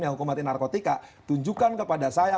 yang hukum mati narkotika tunjukkan kepada saya